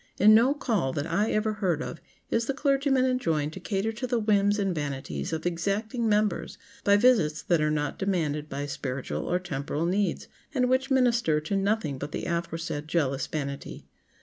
In no "call" that I ever heard of is the clergyman enjoined to cater to the whims and vanities of exacting members by visits that are not demanded by spiritual or temporal needs, and which minister to nothing but the aforesaid jealous vanity.